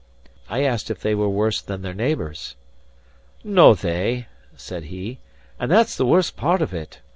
I asked if they were worse than their neighbours. "No they," said he. "And that's the worst part of it.